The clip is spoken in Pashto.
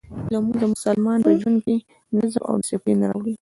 لمونځ د مسلمان په ژوند کې نظم او دسپلین راولي.